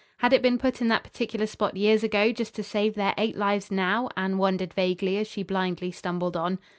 Had it been put in that particular spot years ago just to save their eight lives now? Anne wondered vaguely as she blindly stumbled on.